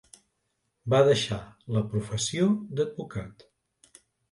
Va deixar la professió d'advocat.